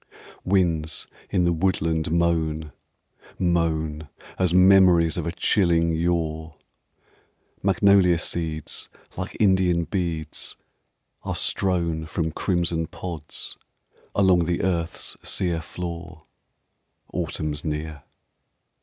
Winds in the woodland moan Moan As memories Of a chilling yore. Magnolia seeds like Indian beads are strown From crimson pods along the earth's sere floor Autumn's near.